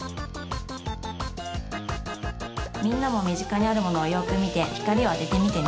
みんなもみぢかにあるものをよくみてひかりをあててみてね。